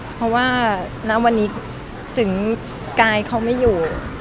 เพราะว่าณวันนี้ถึงกายเขาไม่อยู่